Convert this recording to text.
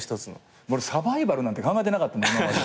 俺サバイバルなんて考えてなかった今まで。